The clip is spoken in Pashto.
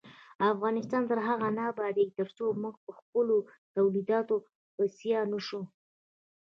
افغانستان تر هغو نه ابادیږي، ترڅو موږ پخپلو تولیداتو بسیا نشو.